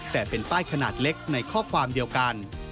แต่เป็นป้ายขนาดเล็กในข้อความเดียวกัน